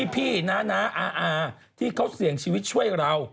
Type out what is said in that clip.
พี่น้าอาที่เขาเสี่ยงชีวิตช่วยเรา